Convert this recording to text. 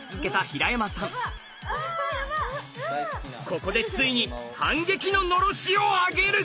ここでついに反撃ののろしを上げる！